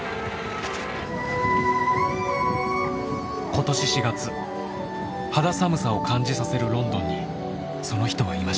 今年４月肌寒さを感じさせるロンドンにその人はいました。